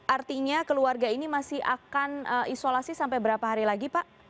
artinya keluarga ini masih akan isolasi sampai berapa hari lagi pak